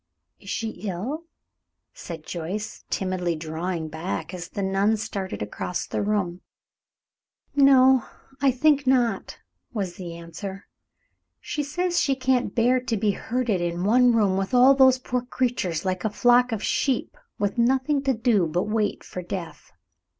"Is she ill?" said Joyce, timidly drawing back as the nun started across the room. "No, I think not," was the answer. "She says she can't bear to be herded in one room with all those poor creatures, like a flock of sheep, with nothing to do but wait for death.